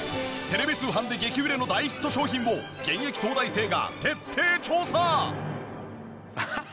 テレビ通販で激売れの大ヒット商品を現役東大生が徹底調査！